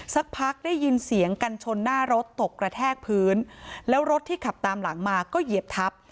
สักพักได้ยินเสียงกันชนหน้ารถตกกระแทกพื้นแล้วรถที่ขับตามหลังมาก็เหยียบทับ